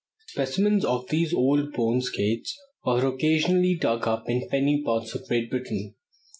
Specimens of these old bone skates are occasionally dug up in fenny parts of Great Britain.